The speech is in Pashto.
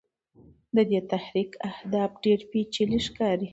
د دې تحریک اهداف ډېر پېچلي ښکاري.